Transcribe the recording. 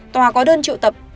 tòa có đơn triệu tập